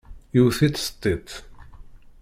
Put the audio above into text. Yewwet-it s tiṭ.